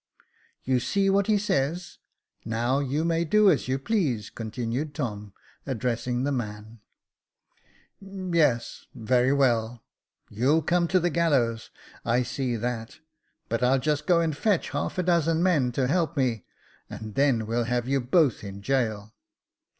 " You see what he says : now you may do as you please," continued Tom, addressing the man. Yes — very well — you'll come to the gallows, I see that J but I'll just go and fetch half a dozen men to help me, and then we'll have you both in gaol."